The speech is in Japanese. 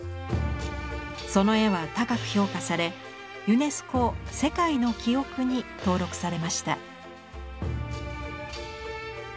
その絵は高く評価されユネスコ「世界の記憶」に登録されました。